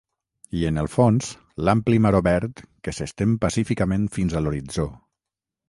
I en el fons, l'ampli mar obert que s'estén pacíficament fins a l'horitzó.